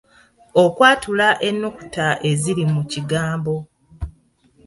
Okwatula ennukuta eziri mu kigambo